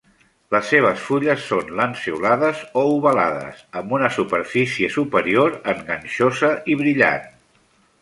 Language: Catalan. Les seves fulles són lanceolades o ovalades, amb una superfície superior enganxosa i brillant.